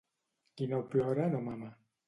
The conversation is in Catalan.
Qui no plora no mama.